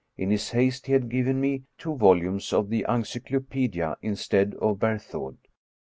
In his haste, he had given me two volumes of the Encyclopaedia instead of Berthoud.